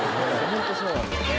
ホントそうなんだよね。